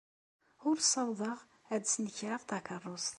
Ur ssawḍeɣ ad snekreɣ takeṛṛust.